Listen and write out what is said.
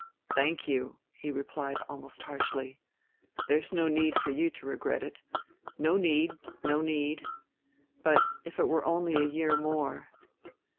"Thank you," he replied almost harshly. "There's no need for you to regret it. No need, no need. But if it were only a year more